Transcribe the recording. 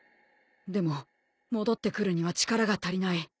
でも戻ってくるには力が足りない。